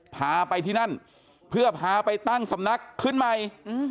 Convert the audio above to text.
พาไปที่นั่นเพื่อพาไปตั้งสำนักขึ้นใหม่